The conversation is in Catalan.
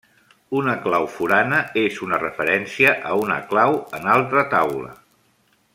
Una clau forana és una referència a una clau en altra taula.